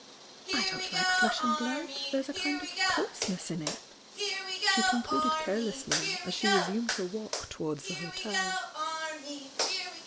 I don't like flesh and blood! — there's a kind of coarseness in it!" she con cluded carelessly as she resumed her walk towards the hotel.